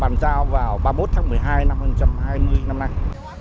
bàn giao vào ba mươi một tháng một mươi hai năm hai nghìn hai mươi năm nay